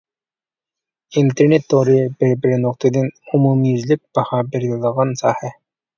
ئىنتېرنېت تورى بىر بىر نۇقتىدىن ئومۇميۈزلۈك باھا بېرىلىدىغان ساھە.